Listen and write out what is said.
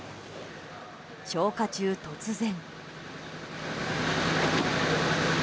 消火中、突然。